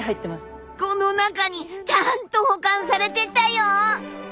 この中にちゃんと保管されてたよ。